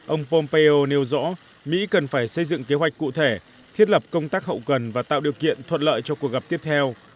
ông pompeo nêu rõ mỹ cần phải xây dựng kế hoạch cụ thể thiết lập công tác hậu cần và tạo điều kiện thuận lợi cho cuộc gặp tiếp theo